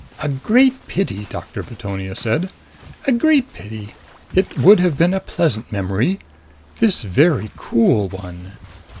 "A great pity!" Doctor Veetonia said. "A great pity. It would have been a pleasant memory. This very cool one!"